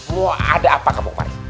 mau ada apa kabar